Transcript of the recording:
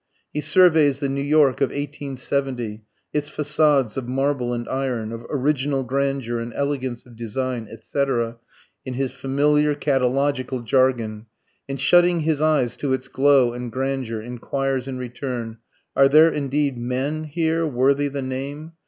He surveys the New York of 1870, "its façades of marble and iron, of original grandeur and elegance of design," etc., in his familiar catalogical jargon, and shutting his eyes to its glow and grandeur, inquires in return, Are there indeed men here worthy the name?